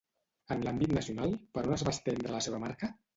En l'àmbit nacional, per on es va estendre la seva marca?